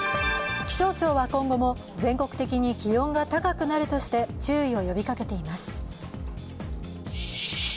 気象庁は今後も、全国的に気温が高くなるとして注意を呼びかけています。